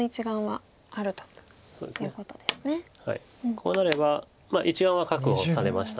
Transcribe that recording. こうなれば１眼は確保されました。